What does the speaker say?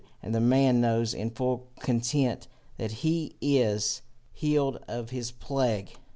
And the man knows in full content that he is healed of his plague.